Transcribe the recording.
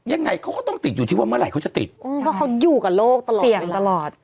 ยังไงเขาก็ต้องติดอยู่ที่ว่าเมื่อไหร่เขาจะติดเพราะเขาอยู่กับโลกตลอดเสี่ยงตลอด